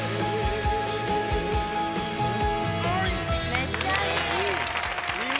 めっちゃいい。